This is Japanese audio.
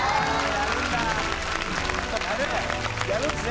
やるんですね？